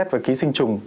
và ký sinh trùng